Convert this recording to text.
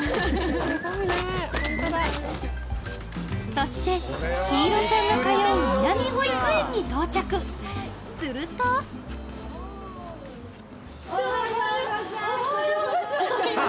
そして陽彩ちゃんが通うみなみ保育園に到着するとおはようございます！